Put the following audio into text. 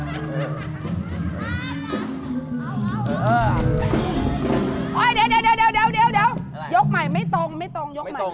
เดี๋ยว